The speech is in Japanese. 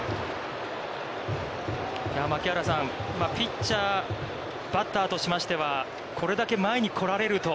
槙原さん、ピッチャー、バッターとしましてはこれだけ前に来られると。